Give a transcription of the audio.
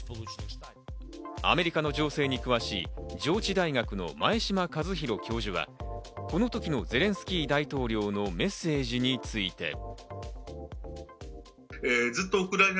アメリカの情勢に詳しい上智大学の前嶋和弘教授はこの時のゼレンスキー大統領のメッセージについて。